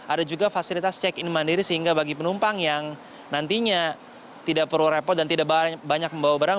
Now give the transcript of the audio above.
ada juga fasilitas check in mandiri sehingga bagi penumpang yang nantinya tidak perlu repot dan tidak banyak membawa barang